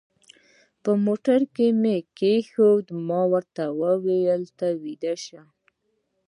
په موټر کې مې اېښي دي، ما ورته وویل: ته ویده شوې؟